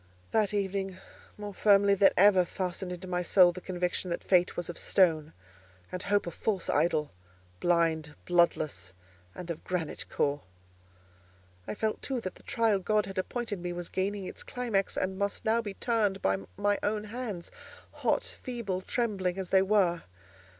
That evening more firmly than ever fastened into my soul the conviction that Fate was of stone, and Hope a false idol—blind, bloodless, and of granite core. I felt, too, that the trial God had appointed me was gaining its climax, and must now be turned by my own hands, hot, feeble, trembling as they were.